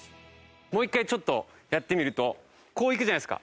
もう１回ちょっとやってみるとこう行くじゃないですか。